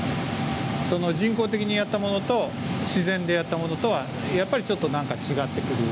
人工的にやったものと自然でやったものとはやっぱりちょっと何か違ってくる。